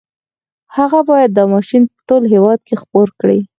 هغه بايد دا ماشين په ټول هېواد کې خپور کړي.